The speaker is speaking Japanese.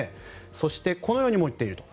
そしてこのようにも言っていると。